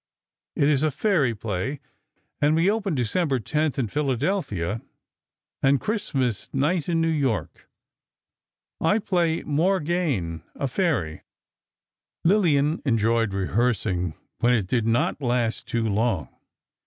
It is a fairy play, and we open December 10, in Phila. and Xmas night in N. Y. I play Morgane, a fairy.... Lillian enjoyed rehearsing when it did not last too long.